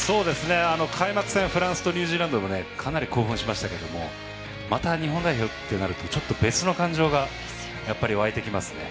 開幕戦フランスとニュージーランドもかなり興奮しましたけどもまた、日本代表ってなるとちょっと別の感情がやっぱり湧いてきますね。